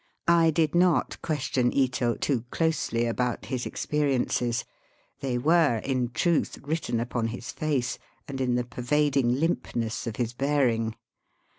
I did not question Ito too closely about his ex periences. They were, in truth, written upon his face, and in the pervading limpness of his bearing.